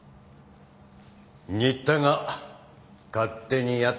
新田が勝手にやった事だ。